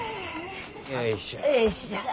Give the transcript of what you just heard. よいしょ。